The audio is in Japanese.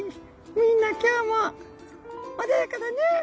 みんな今日も穏やかだね」。